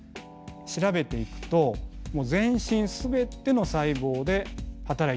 調べていくと全身全ての細胞で働いている。